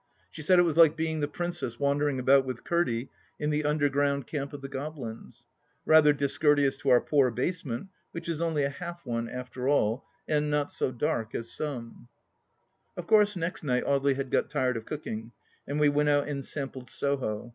She said it was like being The Princess wandering about with Curdie in the underground camp of the Goblins. Rather discourteous to our poor basement, which is only a half one after all, and not so dark as some I Of course next night Audely had got tired of cooking, and we went out and sampled Soho.